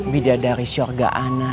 bidah dari surga ana